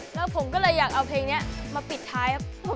แล้วผมก็เลยอยากเอาเพลงนี้มาปิดท้ายครับ